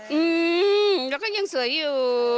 อืมแล้วก็ยังสวยอยู่